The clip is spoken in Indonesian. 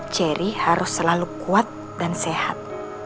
ceri harus selalu kuat dan sehat